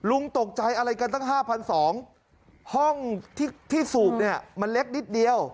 ลุงตกใจอะไรกันตั้งห้าพันสองห้องที่ที่สูบเนี้ยมันเล็กนิดเดียว